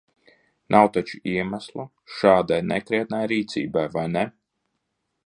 Nav taču iemesla šādai nekrietnai rīcībai, vai ne?